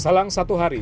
selang satu hari